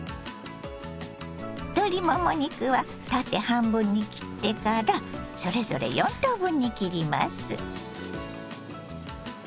鶏もも肉は縦半分に切ってからそれぞれ４等分に切ります。